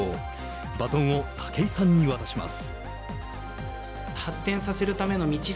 バトンを武井さんに渡します。